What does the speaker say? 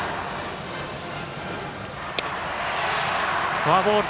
フォアボール。